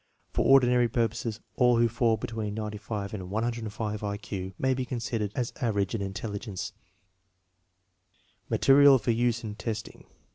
For ordinary purposes all who fall between 95 and 105 I Q may be considered as average in intelligence. Material for use in testing.